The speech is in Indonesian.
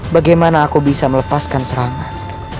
bagaimana aku bisa melepaskan serangan